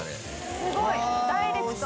すごいダイレクト。